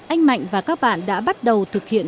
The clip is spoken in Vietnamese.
anh mạnh và các bạn đã bắt đầu thực hiện